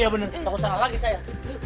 iya bener tak usah lagi saya